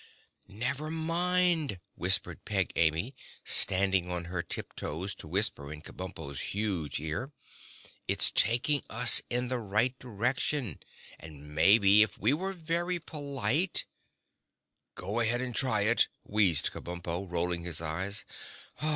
"Never mind," whispered Peg Amy, standing on her tip toes to whisper in Kabumpo's huge ear, "it's taking us in the right direction, and maybe, if we were very polite—?" "Go ahead and try it," wheezed Kabumpo, rolling his eyes.